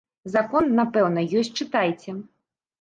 Закон, напэўна, ёсць, чытайце.